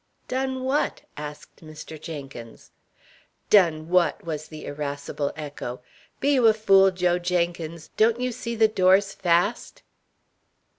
"Done what?" asked Mr. Jenkins. "Done what!" was the irascible echo. "Be you a fool, Joe Jenkins? Don't you see the door's fast!"